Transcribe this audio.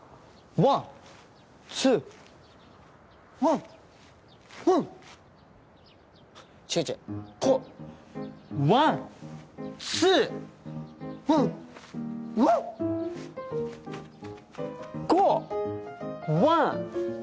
ワンワン！